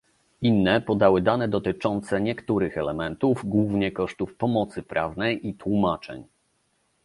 Inne podały dane dotyczące niektórych elementów - głównie kosztów pomocy prawnej i tłumaczeń